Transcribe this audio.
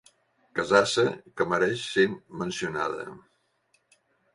Casassa que mereix ser mencionada.